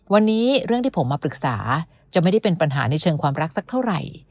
วันนี้เรื่องที่ผมมาปรึกษาจะไม่ได้เป็นปัญหาในเชิงความรักสักเท่าไหร่